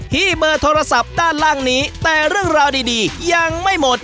เบอร์โทรศัพท์ด้านล่างนี้แต่เรื่องราวดียังไม่หมด